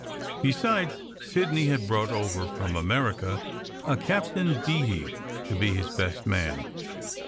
Besides, Sidney had brought over from America a Captain Beatty to be his best man.